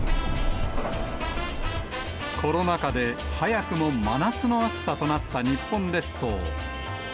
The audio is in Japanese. コロナ禍で、早くも真夏の暑さとなった日本列島。